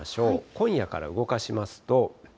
今夜から動かしますと。